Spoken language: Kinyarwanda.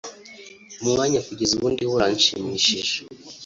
umwanya kugeza ubu ndiho uranshimishije